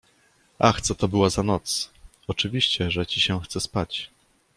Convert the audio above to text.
Ach, co to była za noc! Oczywiście, że ci się chce spać.